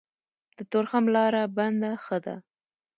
د تورخم لاره بنده ښه ده.